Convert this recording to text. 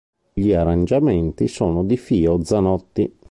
Gli arrangiamenti sono di Fio Zanotti.